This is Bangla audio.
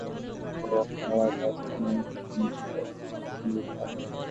বাড়াবাড়ি কোরো না তুমি, এ-সব কাজ তোমাদের নয়।